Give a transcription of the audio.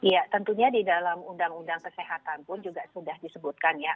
ya tentunya di dalam undang undang kesehatan pun juga sudah disebutkan ya